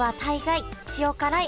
え塩辛い？